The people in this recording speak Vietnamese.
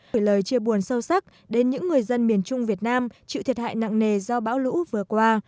gửi lời chia buồn sâu sắc đến những người dân miền trung việt nam chịu thiệt hại nặng nề do bão lũ vừa qua